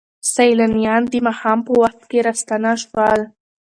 سیلانیان د ماښام په وخت کې راستانه شول.